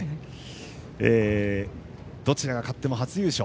どちらが勝っても初優勝。